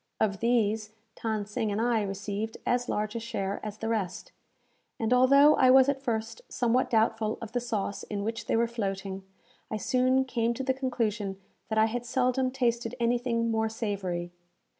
Of these, Than Sing and I received as large a share as the rest, and although I was at first somewhat doubtful of the sauce in which they were floating, I soon came to the conclusion that I had seldom tasted anything more savoury.